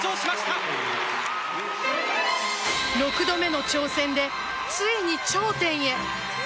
６度目の挑戦でついに頂点へ。